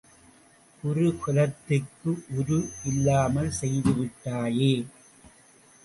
குருகுலத்துக்கு உரு இல்லாமல் செய்து விட்டாயே!